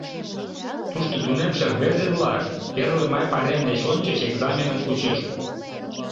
Тушто тунемше рвезе-влак Первый май пайрем деч ончыч экзаменым кучышт.